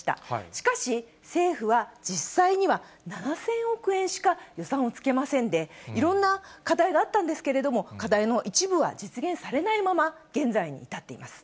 しかし、政府は、実際には７０００億円しか予算をつけませんで、いろんな課題があったんですけれども、課題の一部は実現されないまま現在に至っています。